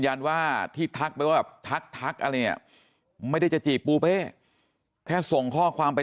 ยั้นว่าที่ทักไปว่าทักอันนี้ไม่ได้จะจกแค่ส่งข้อความไป